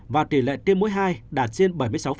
và tỷ lệ tiêm mũi hai đạt trên bảy mươi sáu